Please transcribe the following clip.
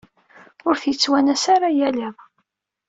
Ur t-yettwanas ara yal iḍ.